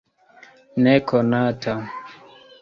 nekonata